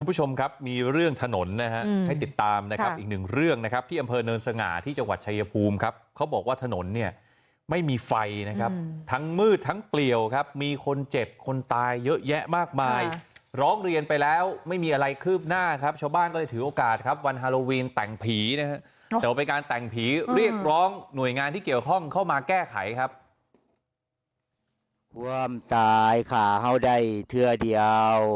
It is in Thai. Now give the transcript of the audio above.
คุณผู้ชมครับมีเรื่องถนนนะครับให้ติดตามนะครับอีกหนึ่งเรื่องนะครับที่อำเภอเนินสง่าที่จังหวัดชายภูมิครับเขาบอกว่าถนนเนี่ยไม่มีไฟนะครับทั้งมืดทั้งเปรียวครับมีคนเจ็บคนตายเยอะแยะมากมายร้องเรียนไปแล้วไม่มีอะไรคืบหน้าครับชาวบ้านก็ได้ถือโอกาสครับวันฮาโลวีนแต่งผีนะครับเดี๋ยวไปการแต่งผีเรีย